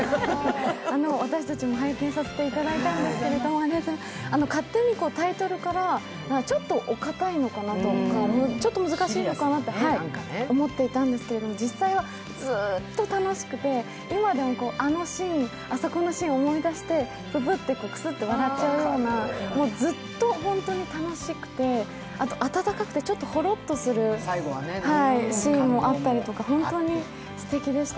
私たちも拝見させていただいたんですけど勝手にタイトルから、ちょっとお堅いのかなとかちょっと難しいのかなって思っていたんですけど、実際はずっと楽しくて、今でもあのシーン、あそこのシーン思い出してププッとくすっと笑っちゃうようなずっと本当に楽しくて、あと、温かくてちょっとほろっとするシーンもあったりとか本当にすてきでした。